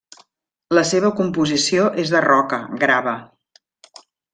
La seva composició és de roca, grava.